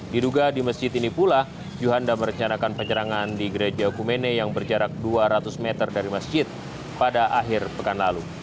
diduga di masjid ini pula juhanda merencanakan penyerangan di gereja kumene yang berjarak dua ratus meter dari masjid pada akhir pekan lalu